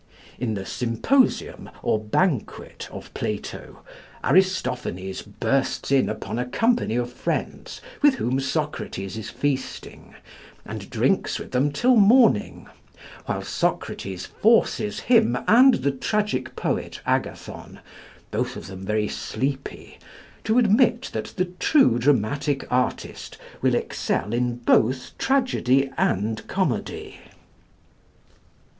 In the 'Symposium' or 'Banquet' of Plato, Aristophanes bursts in upon a company of friends with whom Socrates is feasting, and drinks with them till morning; while Socrates forces him and the tragic poet Agathon, both of them very sleepy, to admit that the true dramatic artist will excel in both tragedy and comedy.